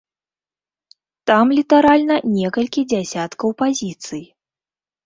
Там літаральна некалькі дзясяткаў пазіцый.